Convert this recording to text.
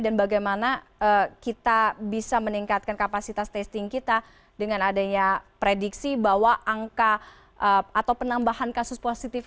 bagaimana kita bisa meningkatkan kapasitas testing kita dengan adanya prediksi bahwa angka atau penambahan kasus positif